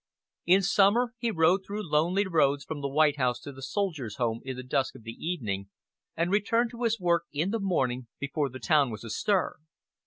In summer he rode through lonely roads from the White House to the Soldiers' Home in the dusk of the evening, and returned to his work in the morning before the town was astir.